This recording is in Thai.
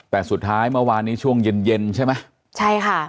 แต่สุดท้ายเมื่อวานนี้ช่วงเย็นเย็นใช่ไหมใช่ค่ะ